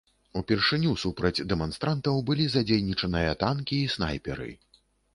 Упершыню супраць дэманстрантаў былі задзейнічаныя танкі і снайперы.